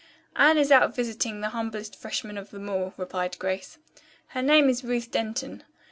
"Anne is out visiting the humblest freshman of them all," replied Grace. "Her name is Ruth Denton.